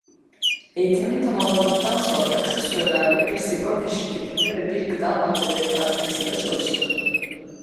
Eğitimini tamamladıktan sonra kısa sürelerle bir sigorta şirketinde ve bir gıda maddeleri fabrikasında çalıştı.